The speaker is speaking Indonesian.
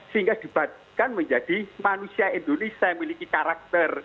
sehingga dibuatkan menjadi manusia indonesia yang memiliki karakter